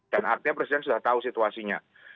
dan artinya presiden sudah tahu situasinya